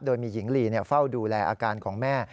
โดยมีหญิงลีเฝ้าดูแลอาการของแม่